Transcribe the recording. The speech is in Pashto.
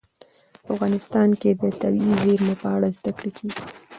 افغانستان کې د طبیعي زیرمې په اړه زده کړه کېږي.